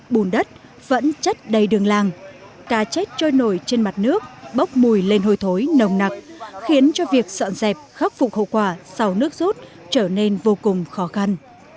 bùn đất vẫn chất đầy đường làng cá chết trôi nổi trên mặt nước bốc mùi lên hồi thối nồng nặc khiến cho việc dọn dẹp khắc phục hậu quả sau nước rút trở nên vô cùng khó khăn